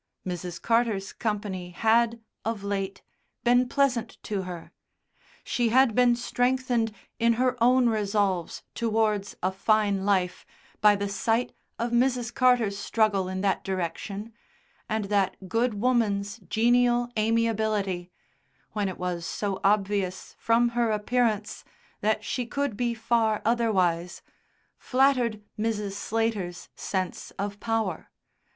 Mrs. Carter's company had, of late, been pleasant to her. She had been strengthened in her own resolves towards a fine life by the sight of Mrs. Carter's struggle in that direction, and that good woman's genial amiability (when it was so obvious from her appearance that she could be far otherwise) flattered Mrs. Slater's sense of power.